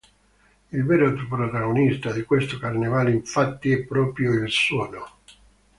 Il vero protagonista di questo carnevale infatti è proprio il suono.